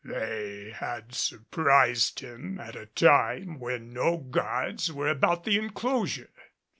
They had surprised him at a time when no guards were about the enclosure.